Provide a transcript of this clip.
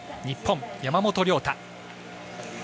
日本、山本涼太。